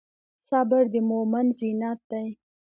صبر د مؤمن زینت دی.